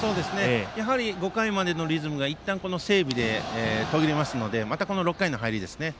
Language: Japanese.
５回までのリズムがいったん整備で途切れますのでまたこの６回の入りですね。